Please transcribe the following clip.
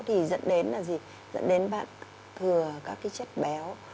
thì dẫn đến là gì dẫn đến bạn thừa các cái chất béo